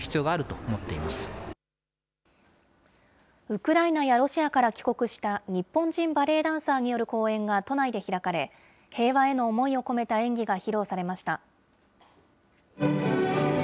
ウクライナやロシアから帰国した日本人バレエダンサーによる公演が都内で開かれ、平和への思いを込めた演技が披露されました。